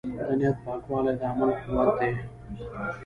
د نیت پاکوالی د عمل قوت دی.